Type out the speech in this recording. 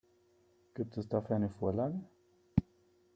Gibt es dafür eine Vorlage?